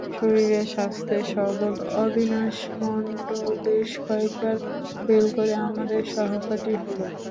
শরীরে-স্বাস্থ্যে সবল অবিনাশ মণ্ডল বেশ কয়েকবার ফেল করে আমাদের সহপাঠী হলো।